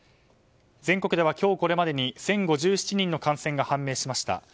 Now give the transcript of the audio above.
全国では今日これまでに１０５７人の感染が判明しました。